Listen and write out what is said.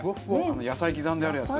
野菜刻んであるやつ。